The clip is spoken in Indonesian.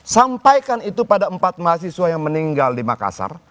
sampaikan itu pada empat mahasiswa yang meninggal di makassar